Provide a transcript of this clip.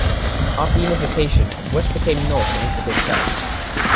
After unification, west became north and east became south.